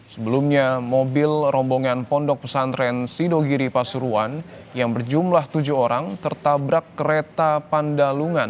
sebelumnya mobil rombongan pondok pesantren sidogiri pasuruan yang berjumlah tujuh orang tertabrak kereta pandalungan